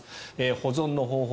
保存の方法